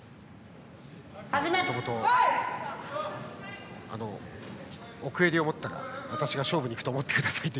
もともと奥襟を持ったら私が勝負に行くと思ってくださいと